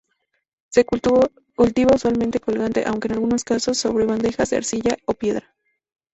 Se cultiva usualmente colgante, aunque en algunos caso sobre bandejas de arcilla o piedra.